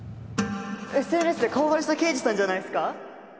ＳＮＳ で顔バレした刑事さんじゃないっすか？